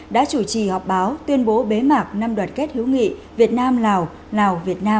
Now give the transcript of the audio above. đã chủ trì họp báo tuyên bố bế mạc năm đoàn kết hữu nghị việt nam lào lào việt nam hai nghìn một mươi bảy